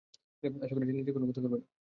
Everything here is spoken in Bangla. আশা করি সে নিজের কোন ক্ষতি করবে না।